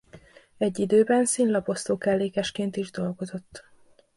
Egy időben színlaposztó-kellékesként is dolgozott.